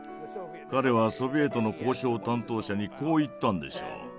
彼はソビエトの交渉担当者にこう言ったんでしょう。